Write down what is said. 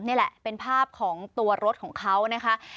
นี่แหละเป็นภาพของตัวรถของเขานะคะ